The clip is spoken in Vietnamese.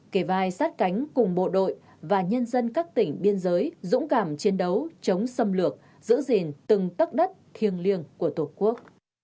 kề vai sát cánh cùng bộ đội và nhân dân các tỉnh biên giới dũng cảm chiến đấu chống xâm lược giữ gìn từng tất đất thiêng liêng của tổ quốc